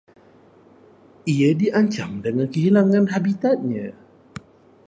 Ia diancam dengan kehilangan habitatnya